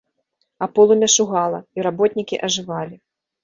А полымя шугала, і работнікі ажывалі.